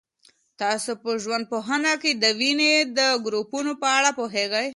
تاسو په ژوندپوهنه کي د وینې د ګروپونو په اړه پوهېږئ؟